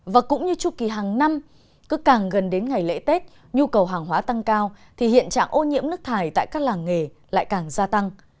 và cũng như chu kỳ hàng năm cứ càng gần đến ngày lễ tết nhu cầu hàng hóa tăng cao thì hiện trạng ô nhiễm nước thải tại các làng nghề lại càng gia tăng